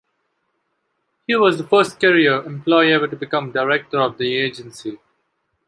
He was the first career employee ever to become director of the agency.